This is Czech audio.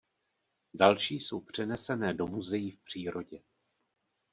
Další jsou přenesené do muzeí v přírodě.